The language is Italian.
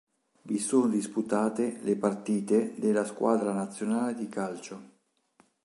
Vi sono disputate le partite della squadra nazionale di calcio.